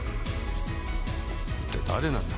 一体誰なんだ？